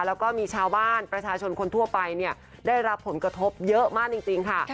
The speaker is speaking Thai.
แล้วก็มีชาวบ้านประชาชนคนทั่วไปเนี่ยได้รับผลกระทบเยอะมากจริงค่ะ